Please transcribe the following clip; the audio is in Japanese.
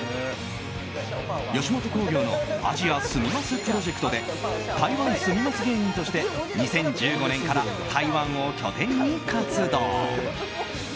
吉本興業のアジア住みますプロジェクトで台湾住みます芸人として２０１５年から台湾を拠点に活動。